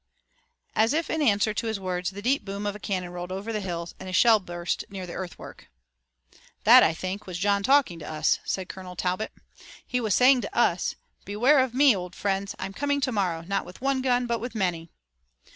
As if in answer to his words the deep boom of a cannon rolled over the hills, and a shell burst near the earthwork. "That, I think, was John talking to us," said Colonel Talbot. "He was saying to us: 'Beware of me, old friends. I'm coming tomorrow, not with one gun but with many!'